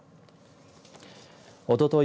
おととい